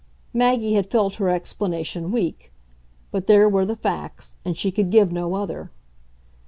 Maggie had felt her explanation weak; but there were the facts, and she could give no other.